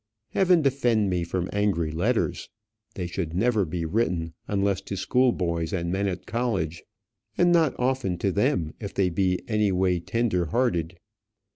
Heaven defend me from angry letters! They should never be written, unless to schoolboys and men at college; and not often to them if they be any way tender hearted.